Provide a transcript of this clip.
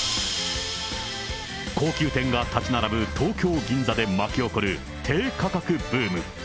高級店が建ち並ぶ東京・銀座で巻き起こる低価格ブーム。